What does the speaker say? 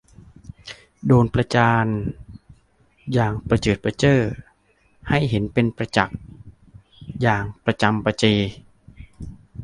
โดนประจานอย่างประเจิดประเจ้อให้เห็นเป็นประจักษ์อย่างประจำประเจ